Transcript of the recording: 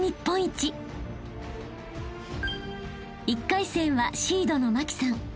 ［１回戦はシードの茉輝さん］